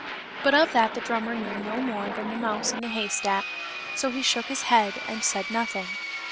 But of that the drummer knew no more than the mouse in the haystack, so he shook his head, and said nothing.